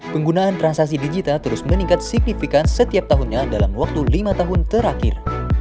penggunaan transaksi digital terus meningkat signifikan setiap tahunnya dalam waktu lima tahun terakhir